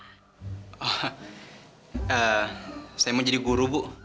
saya mau jadi guru bu